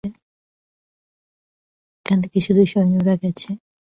এখান থেকে শুধু সৈন্যরা গেছে।